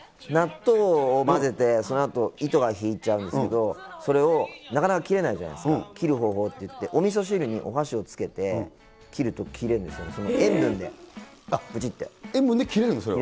納豆を混ぜて、そのあと糸が引いちゃうんですけど、それを、なかなか切れないじゃないですか、切る方法っていって、おみそ汁にお箸をつけて、切ると切れるんですよね、塩分で切れるんだ。